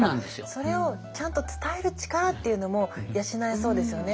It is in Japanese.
それをちゃんと伝える力というのも養えそうですよね。